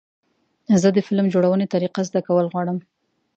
زه د فلم جوړونې طریقه زده کول غواړم.